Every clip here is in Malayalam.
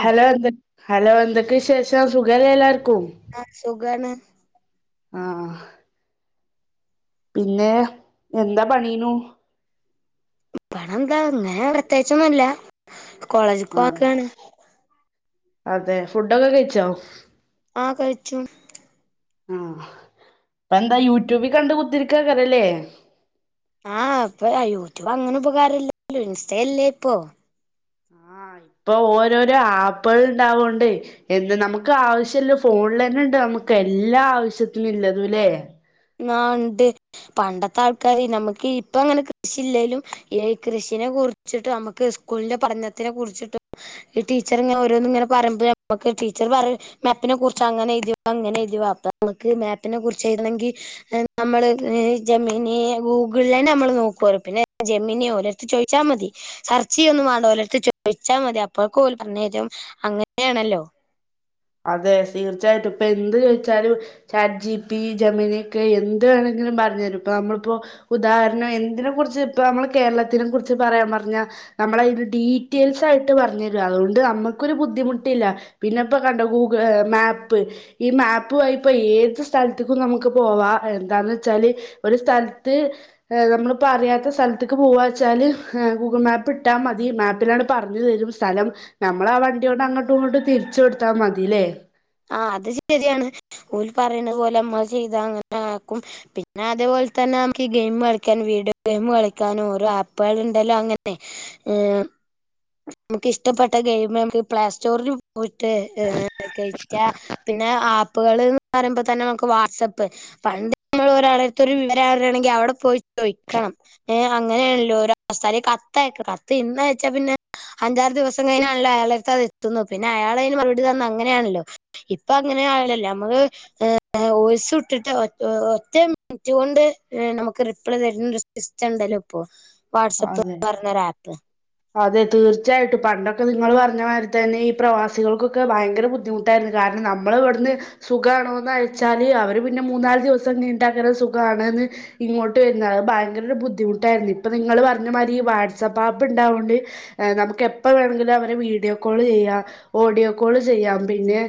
ഹലോ എന്ത ഹലോ എന്തക്കെ വിശേഷം സുഖല്ലെ എല്ലാർക്കും ആഹ് സുഖാണ് ആഹ് പിന്നെ എന്താ പണീനു ഇ പണം എന്താ ഇങ്ങനെ പ്രത്യേകിച്ചൊന്നല്ല കോളേജ്ക്ക പോവാൻ ആഹ് നിക്കാണ് അതെ ഫുഡൊക്കെ കഴിച്ചോ ആഹ് കഴിച്ചു ആഹ് ഇപ്പ എന്താ യൂട്യൂബി കണ്ട് കുത്തിരിക്കാക്കരെല്ലേ ആഹ് ഇപ്പൊ യൂട്യൂബ് അങ്ങനെ ഉപകാര ഇല്ലല്ലോ. ഇൻസ്റ്റല്ലേ ഇപ്പൊ ആഹ് ഇപ്പൊ ഓരോരോ ആപ്പെൾ ഇണ്ടാവോണ്ടെ എന്ത് നമുക്ക് ആവശ്യല്ല ഫോണിലെ ന്നെ ഇണ്ട് നമ്മ നമക്ക് എല്ലാ ആവശ്യത്തിനും ഇല്ലതുല്ലേ ന്നാഹ് ഇണ്ട്. പണ്ടത്തെ ആൾക്കാര് നമുക്ക് ഇപ്പ അങ്ങനെ കൃഷിയില്ലേലും ഈ കൃഷ കുറ്ച്ചിട്ടു നമക്ക് സ്കൂളിന്റെ പഠണത്തിനെ കുറിച്ചിട്ടും ഈ ടീച്ചർ ഇങ്ങനെ ഓരോന്നും ഇങ്ങനെ പറയുമ്പ നമുക്ക് ടീച്ചർ പറിം. മേപ്പിനെ കുറിച്ച് അങ്ങെനെ എഴുതിവ ഇങ്ങനെ എഴുതിവാ അപ്പൊ നമുക്ക് മാപ്പിനെ കുറിച്ച് എഴുതണെങ്കിൽ നമ്മള് ജമ്മീനി ഗൂഗിള്ലെന്നെ നമ്മൾ നോക്കു വാറ് പിന്നെ ജമ്മെനി ഓരോരുത്ത ചോദിച്ചാ മതി. സർ ചെയ്യന്നും മാണ്ട. ഓലെടുത്ത് ചോദിച്ചാൽ മതി അപ്പൊഴക്കോല് പറഞ്ഞെരും അങ്ങനെയാണല്ലോ ലോ അതെ തീർച്ചയായിട്ടും ഇപ്പൊ എന്ത് ചോയ്ച്ചാലും ചാറ്റ് ജി പി ജമെനീക്ക് എന്ത് വേണ എന്തിലും പറഞ്ഞരും ഇപ്പൊ നമ്മളിപ്പോ ഉദാഹരണം എന്തിനെ കുറിച്ച് ഇപ്പ നമ്മൾ കേരളത്തിനെ കുറിച്ച് പറയാൻ പറഞ്ഞാ നമ്മള അയ്ന് ഡീറ്റെയിൽസ് ആയിട്ട് പറഞ്ഞു തരു. അതോണ്ട്ണ്ട് നമ്മുക്കൊരു ബുദ്ധിമുട്ടില്ല പിന്നെ കണ്ട ഗൂഗിൾ മേപ്പ് ഈ മാപ്പ് വഴി ഏത് സ്ഥലത്ത്ക്കും നമുക്ക് പോവാ എന്താ ചാല് സ്ഥല്ത്ത് നമ്മളിപ്പോ അറിയാത്ത സ്ഥലത്ത്ക്ക് പോകച്ചാൽ മാപ്പ് ഇട്ടാ മതിമാപ്പിലാണ് പറഞ്ഞ്തരും. സ്ഥലം നമ്മൾ ആഹ വണ്ടിയോണ്ട് അങ്ങട്ടും ഇങ്ങട്ട് തിരിച്ച് കൊടു ഇട്ടാ മതില്ലേ ആഹ് അത് ശരിയാണ് ഓല് ര് പറിണ പോലെ നമ്മള് ചെയ്താ അങ്ങനെ ആക്കും പിന്നെ അതേപോലെ തന്നെ ന ഗെയിം കളിക്കാൻ വീഡിയോ ഗെയിം കളിക്ക ഓരോ ആപ്പേൾ ഇണ്ട വല്ലൊല്ലോ അങ്ങനെ നമുക്ക് ഇഷ്ടപ്പെട്ട ഗെയിം നമക്ക് പ്ലേസ്റ്റോറി ഉട്ട് ഏഹ് കഴറ്റ പ പിന്നെ ആപ്പുകള് ഇന്ന് പറയുമ്പ തന്നെ നമുക്ക് വാട്സപ്പ് പണ്ട് മ്മ ഒരാളര്ത് ഒരു വിവര അറ്ണെങ്കിൽ അവടെ പോയി ചോയിക്കണം. അങ്ങനെയേണല്ലോ അവസ്ഥ. കത്ത് ഇന്ന് വെച്ചാൽ പിന്നെ അഞ്ചാറ് ദിവസംഴിഞ്ഞാണല്ലോ അയാള അടുത്ത്ത് എത്തുന്നു അയാളയ്ന് മുപടി തന്ന അങ്ങനേണല്ലോ. ഇപ്പൊ അങ്ങനെ ആവുലല്ലേ. നമ്മള് ഓയിസിട്ടിട്ട് ഒറ്റ മിനിട്ട് ഇണ്ട് നമുക്ക് റിപ്ലെ തരുന്നൊരു സിസ്റ്റം ഇണ്ടല്ലോ ഇപ്പൊ? വാട്സആപ്പ് അതെ പറഞ്ഞൊരു ആപ്പ്. അതെ തീർച്ചയായിട്ടും പണ്ടൊക്കെ നിങ്ങൾ പറഞ്ഞ മായ്രീതന്നെ ഈ പ്രവാസികൾക്കൊക്കെ ഭയങ്കെര ബുദ്ധിമുട്ടായിര്ന്നു കാരണം നമ്മൾ ഇവിടുന്ന് സുഖമാണോന്ന് അയച്ചാൽ അവര് പിന്നെ മൂന്നാല് ദിവസം നീണ്ടാക്കരു സുഖമാണ്. ഇങ്ങോട്ട് വര അത് ഭയങ്കര ബുദ്ധിമുട്ടായിരുന്നു ഇപ്പൊ നിങ്ങള്ൾ പറഞ്ഞ മാതിരി ഈ വാട്സ്ആപ്പ് ആപ്പ് ഉണ്ടാ നമുക്ക് എപ്പ വേണമെങ്കിലും അവരെ വീഡിയോ കോള് ചെയ്യാം ഓഡിയോ കോള് ചെയ്യാം പിന്നെ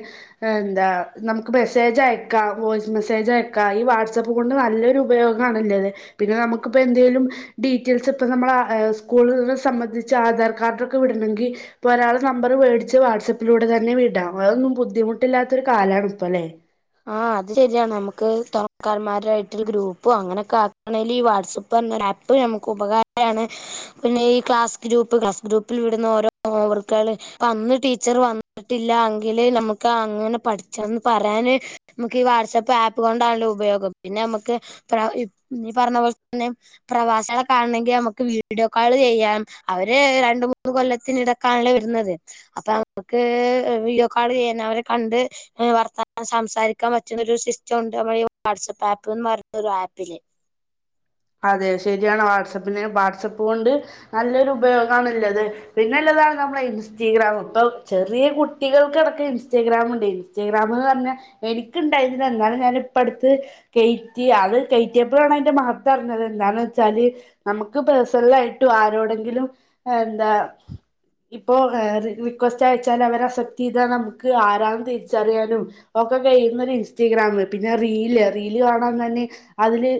എന്താ നമുക്ക് മെസ്സേജ് അയക്കാം വോയ്സ് മെസ്സേജ് അയക്കാം ഈ വാട്സആപ്പ് കൊണ്ട് നല്ലൊരു ഉപ ഉപയോഗണല്ലത് പിന്നെ നമുക്കിപ്പോ എന്തെങ്കലും ഡീറ്റെയിൽസ് ഇപ്പ നമ്മക്ക് സ്കൂള സംബന്ധി ആധാർ കാർഡ് ഒക്കെ വിടണമെങ്കി ഒരാള് നമ്പർ മേടിച്ച് വാട്സആപ്പിലൂടെ തന്നെ വിടാം അതൊന്നും ബുദ്ധിമു ബുദ്ധിമുട്ടില്ലാത്ത ഒരു കാലമാണ് ഇപ്പ അല്ലേ? ആഹ അത് ശരിയാണ് നമുക്ക് തൊണക്കാർമാരുായിട്ട ഗ്രൂപ്പും അങ്ങനെക്കെ ആണെങ്കി ഇ വാട്സപ്പ്. പ്പ് നമു ഉപകാരമാണ് പിന്നെ ഈ ക്ലാസ് ഗ്രൂപ്പ് ക്ലാസ് ഗ്രൂപ്പിൽ വിടുന്ന ഓരോ അ അന്ന് ടീച്ചർ വന്നിട്ടില്ല എങ്കിൽ നമുക്ക് അങ്ങനെ പഠിച്ചന്ന് പറയാണ് നമുക്ക് ഈ വാട്സ്ആപ്പ് ആപ്പ് കൊണ്ടാണല്ലോ ഉപയോഗം പിന്നെ നമുക്ക് ഈ പറഞ്ഞ പോലെ തന്നെ. പ്രവാസികളകാണെങ്കിൽ നമുക്ക് വീഡിയോ കോള് ചെയ്യാം അവര് രണ്ട മൂന്ന് കൊല്ലത്തിനി ഇടക്ക വരുന്നത് അപ്പ അവക്ക് വീഡിയോകള് ചെയ അവരെ കണ്ട് വർത്താനം. സംസാരിക്കാൻ പറ്റുന്ന ഒരു സിസ്റ്റം ഉണ്ട് നമ്മള് ഈ വാട്സ്സആപ്പ് ആപ്പ്ന്ന് പറഞ്ഞൊ ഒരു ആപ്പില്. അതെ ശരിയാണ് വാട്സആപ്പിന് വാട്സപ്പ് കൊണ്ട് നല്ലൊരു ഉപയോഗണല്ലത് പിന്നെ താണ് നമ്മുടെ ഇൻസ്റ്റഗ്രാം ഇപ്പം ചെറിയ കുട്ടികൾക്ക്ക്കടക്ക ഇൻസ്റ്റഗ്രാമുണ്ട് ഇൻസ്റ്റഗ്രാമന്ന് പറന്ന എനിക്കുണ്ടായിന്നില്ല എന്നാലും ഞാനിപ്പ അടുത്ത് കയറ്റി അത് കയറ്റിയപ്പോഴാണ് അതിന്റെ മഹ പറഞ്ഞത് എന്താന്ന് വെച്ചാല് നമുക്ക് പേഴ്സണല ആയിട്ടും ആരോടെങ്കിലും എന്താ? ഇപ്പൊ റിക്വസ്റ്റ് അയച്ചാൽ അവർ അക്സെപ്റ്റ് ചെയ്താൽ നമുക്ക് ആരാണ തിരിച്ചറിയാനും പ്പം കഴ ഇൻസ്റ്റഗ്രാാം പിന്നെ റീല് റീല് കാണാൻ തന്നെ അതില്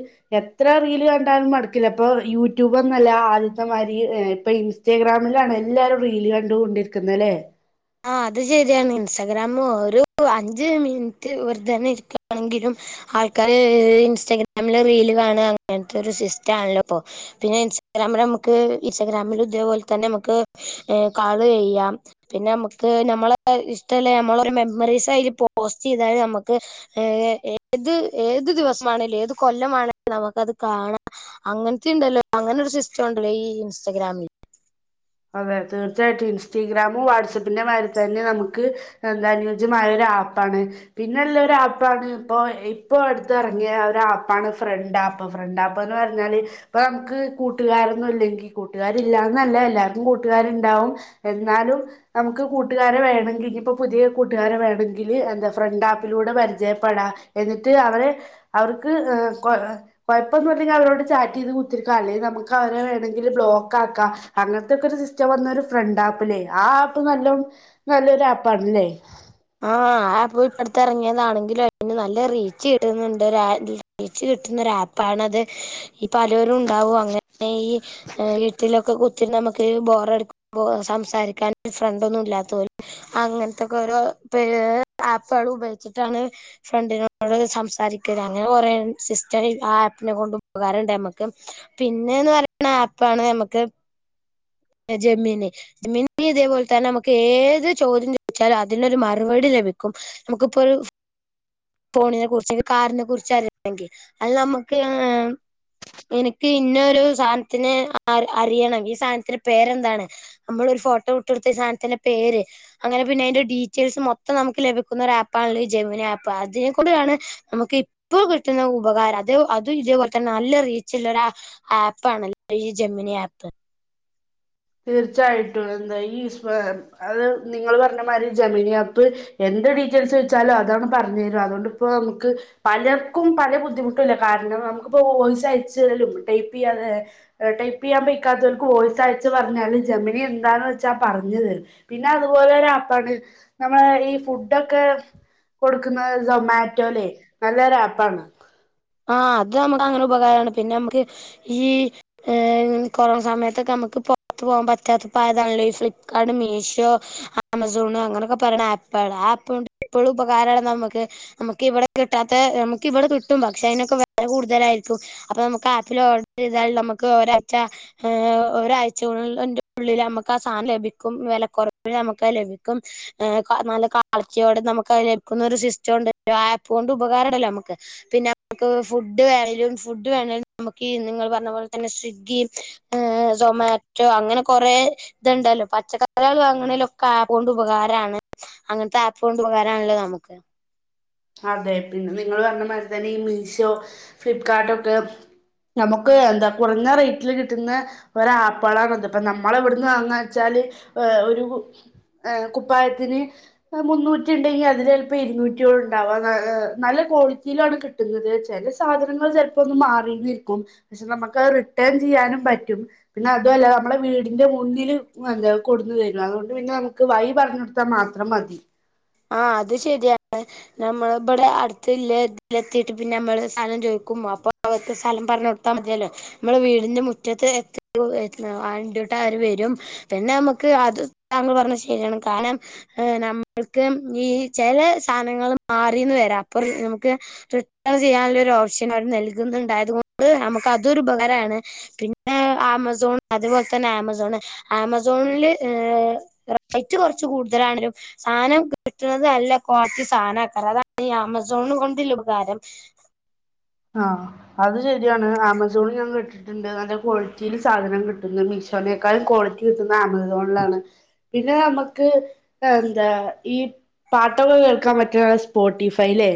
ഇത്ര റീൽ കണ്ടാലും മടക്കില്ല ഇപ്പോൾ യൂട്യൂബ്ന്നല്ല ആദ്യത്തെമാരി ഇപ്പൾ ഇൻസ്റ്റാഗ്രാമിലാണ്. എല്ലാരും റീൽ കണ്ട് കൊണ്ടിരിക്കുന്നല്ലേ. ആ അത് ശരിയാണ് ഇൻസ്റ്റഗ്രാാം ഒരു അഞ്ച് മിനിറ്റ് വെറുതനെ ഇരിക്കുകയാണെങ്കിലും. ആൾക്കാാര് ഇൻസ്റ്റാഗ്രാമില് റീല് വേണെ അങ്ങനത്തെ ഒരു സിസ്റ്റം ആണല്ലോ പിന്നെ. ക്യാമ നമുക്ക് ഇൻസ്റ്റഗ്രാമിൽ ഇതേപോലെ തന്നെ നമക്ക് കാള് ചെയ്യാം പിന്നെ നമുക്ക് നമ്മളെ ഇഷ്ടല്ല നമ്മളരു മെമ്മറീസ് അയിൽ പോസ്റ്റ് ചെയ്തൽ നമ്മുക്ക് ഏത് ഏത് ദിവസമാണേലും ഏത് കൊല്ലമാണേലും നമുക്കത് കാണാം അങ്ങനത്ത ഉണ്ടല്ലോ അങ്ങനെ ഷ്ടണ്ടല്ലോ ഈ ഇൻസ്റ്റാഗ്രാമിൽ അതെ തീർച്ചയായിട്ടും ഇൻസ്റ്റാഗ്രാമും വാട്സആപ്പിന്റെ മാാര് തന്നെ നമുക്ക് എന്താനുയോജ്യമായ ആപ്പാണ് പിന്നെള്ള ആപ്പാണ് ഇപ്പ ഇപ്പോ എടുത്ത് ഇറങ്ങിയ ഒരു ആപ്പാണ് ഫ്രണ്ട് അപ്പൊ ഫ്രണ്ട് അപ്പന്ന് പറഞ്ഞാല് ഇപ്പൊ നമുക്ക് കൂട്ടുകാരൊന്നും ഇല്ലെങ്കിൽ കൂട്ടുകാാരല്ലാന്നല്ലല്ല കൂട്ടുകാരുണ്ടാവും എന്നാലും നമുക്ക് കൂട്ടുകാര് വേണെങ്കി ഇനിയിപ്പോ പുതിയ കൂട്ടുകാരെ വേണങ്കിൽ. എന്താ ഫ്രണ്ട് ആപ്പിലൂടെ പരിചയപ്പെടാം എന്നിട്ട് അവരെ അവർക്ക് കൊയ്പ്പൊന്നില്ലേങ്കിൽ അവരോട് ചാറ്റ് ചെയ്ത് കുത്തിരിക്കാം അല്ലെങ്ക നമുക്ക് അവരെ വേണമെങ്കിൽ ബ്ലോക്ക് ആക്കാം അങ്ങനെ. അതൊക്ക ഒരു സിസ്റ്റം വന്ന ഒരു ഫ്രണ്ട് ആപ്പ്ല്ലേ ആ ആപ്പ് നല്ല നല്ലൊരു ആപ്പ് ണല്ലേ? ആഹ് ആ ആപ്പ് ഇപ്പടുത്തെ ഇറങ്ങിയതാണെങ്കിലും അതിന് നല്ല റീച്ച് കിട്ടുന്നുണ്ട് കിട്ടുന്നരാപ്പണത് ഈ പലരും ഉണ്ടാവും അങ്ങനെ ഈ വീട്ടിലൊക്കെ കുത്തി. നമുക്ക് ബോറടു സംസാരിക്കാൻ ഫ്രണ്ട് ഒന്നും ഇല്ലാത്ത പോലെ അങ്ങനത്തൊക്കെ ഓരോ ആപ്പുകൾ ഉപയോഗിച്ചിട്ടാണ് ഫ്രണ്ടിനോട് സംസാരിക്കുന്നത് അങ്ങനെ കുറെേ സിസ് ആപ്പിനെ കൊണ്ട് ഉപകാരുണ്ട് നമ്മുക്ക് പിന്നെന്ന് പറയണ ആപ്പാണ് നമ്മക്ക് ജമ്മീന് ജമീനി ഇതേപോലെ തന്നെ നമുക്ക് ഏത് ചോദ്യം ചോദിച്ചാലും അതിനൊരു മറപടി ലഭിക്കും നമുക്കിപ്പോ ഒരു ഫോണിനെ കുറിച്ച് കാറിനെ കുറിച്ച് അറിയണെങ്കി അത് നമ്മക്ക്. [unintelligible] എനിക്ക് ഇന്ന ഒരു സാനത്തിനെ അർ അറിയണം ഈ സാനത്തിന്റെ പേരെന്താണ് നമ്മളൊ ഫോട്ടോ വിട്ടൊടുത്ത ഈ സാനത്തിന്റെ പേര് അങ്ങനെ പിന്നെ അയിന്റെ ഡീ ചെൽസം മൊത്തം നമുക്ക് ലഭിക്കുന്ന ഒരാപ്പാൻള് ഈ ജമുനാപ്പ് അതിനെക്കൊണ്ടിയാണ് നമക്ക് ഇപ്പ കിട്ടുന്ന. ഉപകാരം അത് അത് ഇതേപോൽ തന്നെ നല്ല റീച്ചുള്ളരാ ആ ആപ്പ് ആണല്ല ഈ ജമ്നി ആപ്പ്. തീർച്ചയായിട്ടും എന്താ ഈ [unintelligible] അത് നിങ്ങൾ പറഞ്ഞ മാതിരി ഈ ജമ്നിയാപ്പ് എ ന്ത്‌ ഡീറ്റെയിൽസോയിച്ചാലു അതാണ്ട് പർഞെരും അതോണ്ട്പ്പോ മ്മക്ക് പലർക്കും പല ബുദ്ധിമുട്ടില്ല കാരണം. നമുക്കിപ്പോ വോയിസ് അയച്ചലും ടൈപ്പെയ്യാതെ എ ടൈപ്പെയ്യ [unintelligible] വോയിസ്‌ അ ന്ത്‌ പർഞ്ഞാലു ജമ്നി എന്താന്ന് വെച്ചാ പറഞ്ഞ് തരും പിന്നെ അതുപോലെ ഒരാപ്പാണ് നമ്മള ഈ ഫുഡൊക്കെ കൊടുക്കുന്നത് സൊമാറ്റോൽ നല്ലൊരു ആപ്പാണ്. ആ അത് നമ്മക്കങ്ങനെ ഉപകാരാണ് പിന്നെ മ്മക്ക് ഈ ഏ കൊറെ സമയത്തൊക്കെ മ്മക്ക്. പ്പൊ പൊറത്ത് പോൻ പറ്റാത്ത പ്പായതണല്ലോ ഫ്ലിപ്കാട്ട്, മീഷോ, ആ ആമസോണ്, അങ്ങനൊക്കെ പറിണ ആ പ്പ ആ ആപ്പോണ്ട് പ്പളും ഉപകാരാണ് മ്മക്ക് മ്മക്ക് ഇവിടെ കിട്ടാത്തെ മ്മക്ക് ഇവിടെ കിട്ടും പ ക്ഷെ അയിനൊക്കെ വെല കൂടുതലായിരിക്കും അപ്പൊ മ്മക്ക് ആപ്പിൽ ഓഡറെയ്താൽ നമക്ക് ഒരാച്ച. ഒരായ്ചഉളന്റെ ന്റെ ഉള്ളിൽ മ്മക്ക് ആ സാനം ലഭിക്കും വെലക്കൊറവി നമക്കത് ലഭിക്കും ഏ ആ നല്ല [unintelligible] നമുക്കത് ലഭിക്കുന്ന ഒരു സിസ്റ്റം ഉണ്ട് [unintelligible] ആപ്പ് കൊണ്ട് ഉപകാരംണ്ടല്ലോ മ്മക്ക് പിന്നെ. നമുക്ക് ഫുഡ് വേണലും ഫുഡ് വേണെലും നമുക്കീ നിങ്ങ പറഞ്ഞ പോലെ തന്നെ സ്വിഗ്ഗിയും മ് ഏ സൊമാറ്റോ അങ്ങനെ കൊറെ ഇതുണ്ടല്ലോ പച്ചക്കറിയാള് വാങ്ണീലൊക്കെ ആ ആപ്പോണ്ട് ഉപകാരാണ്. അങ്ങൻത്തെ ആപ്പോണ്ട് ഉപകാരണല്ലോ നമുക്ക്. അതെ പിന്നെ നിങ്ങൾ പറഞ്ഞ മാരി തന്നെ ഈ മീഷോ, ഫ്ലിപ്കാട്ടൊക്കെ. നമുക്ക് എന്താ കുറഞ്ഞ റേറ്റിൽ കിട്ടുന്ന ഒരാപ്പാളാണത് ഇപ്പ നമ്മള ഇവിട്ന്ന് വാങ്ങാച്ചാല്. [unintelligible] ഏ ഒരു. ഏ കുപ്പായത്തിന് മുന്നൂറ്റി ണ്ടെങ്കി അതിലെല്പ്പം ഇരുന്നൂറ്റിയോ [unintelligible] നല്ല ക്വാളിറ്റിയിലാണ് കിട്ടുന്നത് ചെല സാധനങ്ങൾ ചെലപ്പൊന്ന് മാറിന്നിരിക്കും. ക്ഷെ നമ്മക്കത് റിട്ടേൺ ചെയ്യാനും പറ്റും പിന്നെ അതുല്ല നമ്മുടെ വീടിന്റെ മുന്നിൽ എന്ത കൊ [unintelligible] നമുക്ക് വൈ പറഞ്ഞൊടുത്താ മാത്രം മതി. ആ അത് ശെരിയാണ് നമ്മൾ ഇബടെ അടുത്ത്ല്ലെ ഇതിലെത്തിട്ട് പിന്നെ മ്മള് സാധനം ചോയിക്കും. അപ്പൊ [unintelligible] സ്ഥലം പറഞ്ഞ്ടുത്താ മതിയല്ലോ മ്മൾ വീടിന്റെ മുറ്റത്ത്. [unintelligible] ര് വരും പിന്നെ മ്മക്ക് അത് താങ്കൾ പറഞ്ഞ ശെരിയാണ് കാരണം ഏ നമ്മ [unintelligible] ഈ ചെല സാനങ്ങൾ മാറിന്ന് വരാം അപ്പ ർ നമ്മക്ക് റിട്ടേ ചെയ്യാനുള്ളൊര് [unintelligible] നൽകുന്നുണ്ടായത്കൊണ്ട് നമുക്ക് അതുരുപകാരാണ് പിന്നെ ഏ ആമസോൺ അത് പോൽ തന്നെ ആമസോണ് ആമസോണില് ഏ റേറ്റ് കൊറച്ച് കൂടുതലാണിലും സാനം. കിട്ട്ണത് ന്നല്ല ക്വാള്റ്റി സാനേക്കാരം അതാണ് ഈ ആമസോണ് കൊണ്ട്ള്ള ഉപകാരം. ആ അത് ശെരിയാണ് ആമസോണിൽ ഞാൻ കേട്ടിട്ട്ണ്ട് നല്ല ക്വാളിറ്റീല് സാധനം കിട്ടുന്ന് മ് ഷോനേക്കാളും ക്വാളിറ്റി കിട്ടുന്ന ആമസോണിലാണ് പിന്നെ മ്മക്ക് എന്താ ഈ. പാട്ടൊക്കെ കേൾക്കാൻ പറ്റ്ണാ സ്പോട്ടിഫൈ ല്ലേ?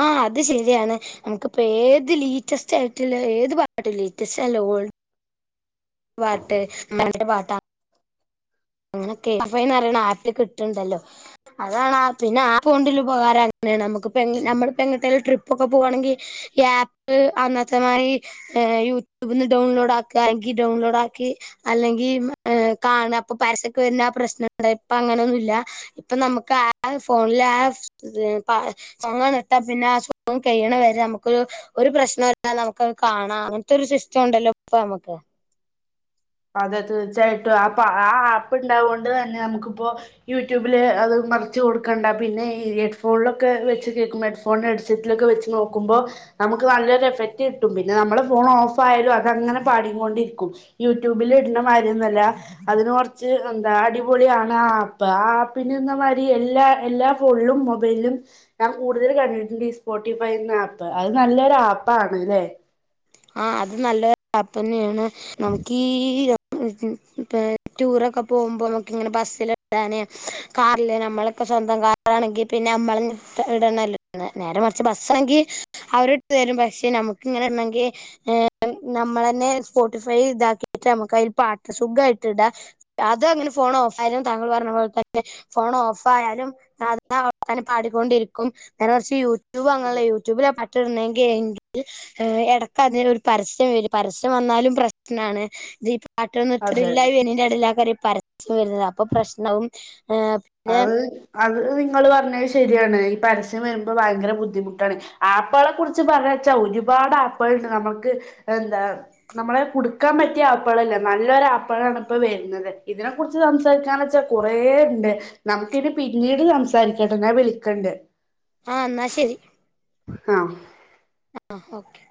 ആ അത് ശെരിയാണ് ഞ്ഞംക്കിപ്പ ഏത് ലീറ്റസ്റ്റായിട്ടുള്ള ഏത് പാട്ടു ലേറ്റസ്റ്റാ ഓൾ പാട്ട് മറ്റെ പാട്ടാ. അങ്ങനെ കെ എഫ് ഐ ന്ന് പറിണ ആപ്പിൽ കിട്ട്ണ്ടല്ലോ അതാണ് ആ പിന്നെ ആപ്പോണ്ട്ല്ലെ ഉപകാര ഏ നമുക്ക്പ്പ എങ് നമ്മള്പെങ്ങേട്ടേലു ട്രി പ്പൊക്കെ പോവാണെങ്കി ഈ ആപ്പ് അന്നത്തെമാതി ഏ യൂട്യൂബ്ന്ന് ഡൗൺലോഡ് ആക്ക ഈ ഡൺലോഡാക്കി അല്ലെങ്കി ഏ കാണാ ഇപ്പൊ പരസ്യക്ക വര്ന ആ പ്രശ്ന [unintelligible] ഇപ്പ അങ്ങനെൊന്നുല്ല്യ ഇപ്പ നമുക്ക് ആരെ ഫോണില ആ [unintelligible] മ്മക്കൊരു ഒരു പ്രശ്നുല്ല നമുക്ക് കാണ ആ അങ്ങൻതൊര് ഒരു സിസ്റ്റം ഉണ്ടല്ലോ ഇപ്പ മ്മക്ക്. അതെ തീർച്ചയായിട്ടും ആപ്പ് അ ആ ആപ്പ് ഉണ്ടാവുണ്ട് ന്നെ നമുക്കിപ്പോ യൂട്യൂബില് എ അത് മറിച്ച് കൊടുക്കണ്ട പിന്നെ ഈ ഹെഡ്ഫോണിലൊക്കെ വെച്ച് കേക്കുമ്പോ ഹെഡ്ഫോണ്, ഹെഡ്സെറ്റിലൊക്കെ വെച്ച് നോക്കുമ്പോ. നമുക്ക് നല്ലൊരു എഫക്ട് കിട്ടും പിന്നെ നമ്മളെ ഫോൺ ഓഫ് ആയാലും അത് അങ്ങനെ പാടികൊണ്ടിര്ക്കും യു റ്റൂബില് ഇട്ണ മാരിയൊന്നുഅല്ല അതിന് കൊറച്ച് ന്താ അടിപൊളിയാണ് ആ ആപ്പ് ആ ആപ്പിന്. മാരി എല്ലാ എല്ലാ ഫോണിലും മൊബൈൽലും ഞാ കൂടുതൽ കണ്ടിട്ടുണ്ട് ഈ സ്പോട്ടിഫൈ എന്നാപ്പ്. അത് നല്ലൊരു ആപ്പാണ് അല്ലേ ആഹ് അത് നല്ല ഒര് ആപ്പന്നെണ് നമുക്ക് ഈ ച്ച് പെ ടൂറൊക്കെ പോകുമ്പോ നമുക്ക് ഇങ്ങനെ ബസ്സല് ഇത്താനേ കാറില് നമ്മള് ഇപ്പ സ്വന്തം കാറാണെങ്കി പിന്നെ നമ്മള് ഇടണല്ലോ നേരെ മറിച്ച് ബസ്സാണെങ്കി അവര് ഇട്ട് - രും പക്ഷെ നമുക്ക ഇങ്ങനെ ഉണ്ടെങ്കി ഏഹ് നമ്മളന്നെ സ്പോട്ടിഫൈ ഇതാക്കിട്ട് നമ്മക്ക് അതില് പാട്ട് സുഖായിട്ട് ഇടാ അത് അങ്ങനെ സ്പോ ഫോൺ ഓഫായാലും താങ്കൾ പറഞ്ഞ പോലെ തന്നെ ഫോൺ ഓഫ് ആയാലും [unintelligible] തന്നെ പാടിക്കൊണ്ടിരിക്കും ഞാൻ കുറച്ച് യൂട്യൂബ് അങ്ങനെയുള്ള യൂട്യൂബില പട്ടിടണെങ്കിൽ എങ്കിൽ ഏഹ് എട അതിന് ഒരു പരസ്യം വരും പരസ്യം വന്നാലും പ്രശ്നാണ് ഇതിപ്പ പാട്ടൊന്നും അതെ നിർത്തലില്ല ഈ വന്നിന്റെ ഇടെല് ആക്കാരി പരസ്യം വരുന്നതാ അപ്പൊ പ്രശ്നാവും പിന്നെ അത് അത് അത് നിങ്ങള് പറഞ്ഞത് ശരിയാണ് ഈ പരസ്യം വരുമ്പോ ഭയങ്കര ബുദ്ധിമുട്ടാണ് ആപ്പ്‌കളെ കുറിച്ച് പറഞ്ഞ വെച്ച ഒര് ഒരുപാട് ആപ്പ്‌കൾ ഇണ്ട് നമ്മക്ക് എന്താ നമ്മളെ കുടുക്കാൻ പറ്റിയ ആപ്പുകളല്ലേ നല്ലരു ആപ്പ്‌ അപ്പോഴാണ് ഇപ്പ വരുന്നത് ഇതിനെ കുറിച്ച് സംസാരിക്കാന്ന് വെച്ചാ കുറേ ഉണ്ട് നമുക്കിനി പിന്നീട് സംസാരിക്കാട്ടോ ഞാൻ വിളിക്കണ്ട് ആഹ് എന്നാ ശരി ആഹ് ആഹ് ഓക്കെ